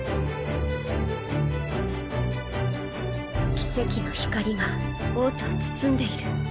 奇跡の光が王都を包んでいる。